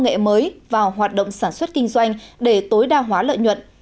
nghệ mới vào hoạt động sản xuất kinh doanh để tối đa hóa lợi nhuận